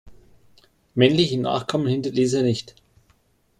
Männliche Nachkommen hinterließ er nicht.